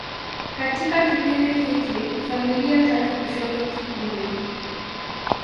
Katika kipindi hiki, familia tatu kushoto kikundi.